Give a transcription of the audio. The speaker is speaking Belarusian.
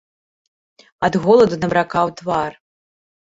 Ад голаду набракаў твар.